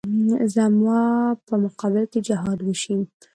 زما په مقابل کې جهاد وشي.